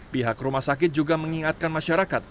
pihak rumah sakit juga mengingatkan masyarakat